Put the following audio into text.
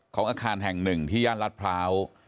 ของอาคารแห่ง๑ที่ย่านรัฐพร้าว